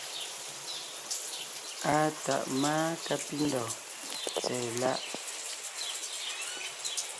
Àa tàʼ máa kápindɔ̀ɔn tsɛ̀ɛ láʼ.